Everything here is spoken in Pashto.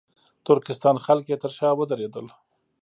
ترکستان خلک یې تر شا ودرېدل.